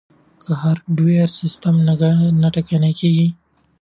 که هارډویر وي نو سیستم نه ټکنی کیږي.